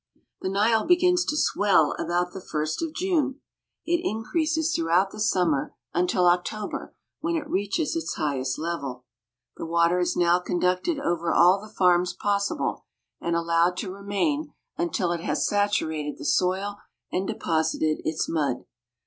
^^H The Nile begins to swell about the first of June. It ^^V increases throughout the summer until October, when it ^^^ reaches its highest level. The water is now conducted illage. over all the farms possible, and allowed to remain until it has saturated the soil and deposited its mud.